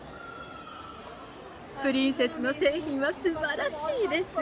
プリンセスの製品はすばらしいです。